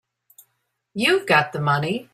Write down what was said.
You've got the money.